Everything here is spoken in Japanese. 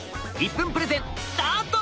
１分プレゼンスタート！